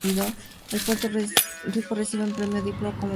En Puerto Rico reciben el premio Diplo como mejor "Grupo" vocal.